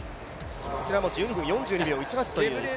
こちらも１２分４２秒１８というタイム。